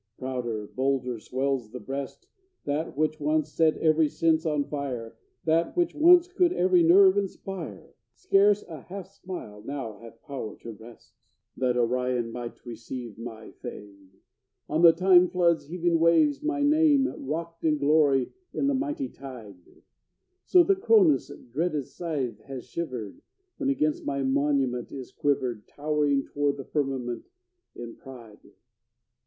Prouder, bolder, swells the breast. That which once set every sense on fire, That which once could every nerve inspire, Scarce a half smile now hath power to wrest! That Orion might receive my fame, On the time flood's heaving waves my name Rocked in glory in the mighty tide; So that Kronos' dreaded scythe was shivered, When against my monument is quivered, Towering toward the firmament in pride.